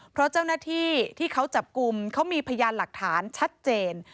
เพราะเจ้าหน้าที่ที่เขาจับกลุ่มเขามีพยานหลักฐานชัดเจน